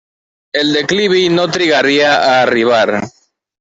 El declivi no trigaria a arribar.